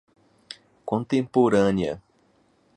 contemporânea